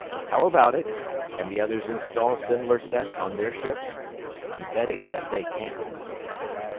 How about it can the others install similar sets on their ships? I'm betting that they can't."